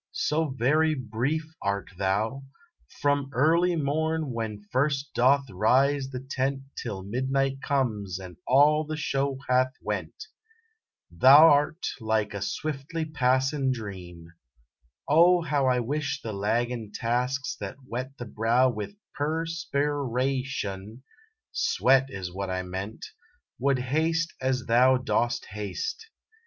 So very brief art thou, From early morn when first doth rise the tent Till midnight comes and all the show hath went; Thou rt like a swiftly passin dream. Oh, how 1 wish the laggin tasks that wet the brow With per spi ra tion (sweat is what I meant) 45 SONNETS OF A BUDDING BARD Would haste as thou dost haste.